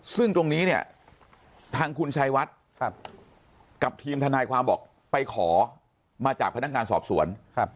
ซึ่งตรงนี้เนี่ยทางคุณชายวัดกับทีมทนายความบอกไปขอมาจากพนักงานสอบสวน